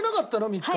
３日。